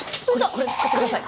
これ使ってください